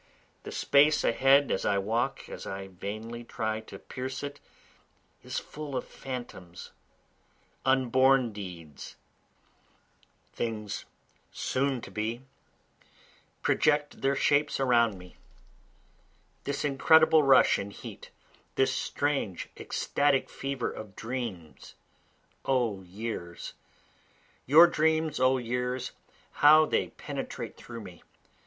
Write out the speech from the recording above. the space ahead as I walk, as I vainly try to pierce it, is full of phantoms, Unborn deeds, things soon to be, project their shapes around me, This incredible rush and heat, this strange ecstatic fever of dreams O years! Your dreams O years, how they penetrate through me!